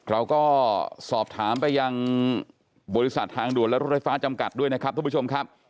เราก็สอบถามไปยังบริษัททางด่วนและรถไฟฟ้าจำกัดด้วยนะครับทุกผู้ชมครับ